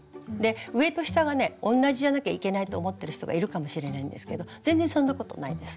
上と下がね同じじゃなきゃいけないと思ってる人がいるかもしれないんですけど全然そんなことないです。